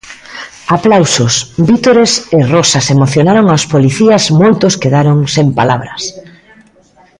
Aplausos, vítores e rosas emocionaron aos policías, moitos quedaron sen palabras.